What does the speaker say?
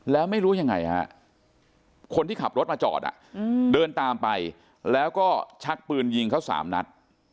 แล้วไม่รู้ยังไงฮะคนที่ขับรถมาจอดเดินตามไปแล้วก็ชักปืนยิงเขา๓นัด